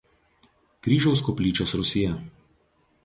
Kryžiaus koplyčios rūsyje.